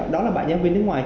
đó là bạn giáo viên nước ngoài